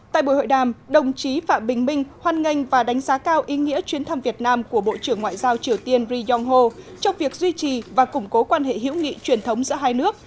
tại buổi hội đàm đồng chí phạm bình minh hoan nghênh và đánh giá cao ý nghĩa chuyến thăm việt nam của bộ trưởng ngoại giao triều tiên ri yong ho trong việc duy trì và củng cố quan hệ hữu nghị truyền thống giữa hai nước